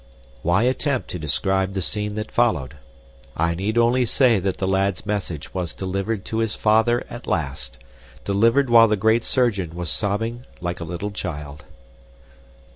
Why attempt to describe the scene that followed? I need only say that the lad's message was delivered to his father at last, delivered while the great surgeon was sobbing like a little child.